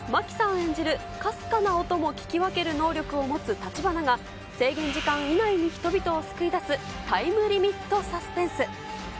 演じるかすかな音も聞き分ける能力を持つ橘が、制限時間以内に人々を救い出すタイムリミットサスペンス。